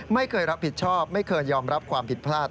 ไม่เคยรับผิดชอบไม่เคยยอมรับความผิดพลาด